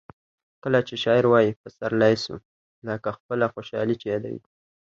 کله چي شاعر وايي پسرلی سو؛ لکه خپله خوشحالي چي یادوي.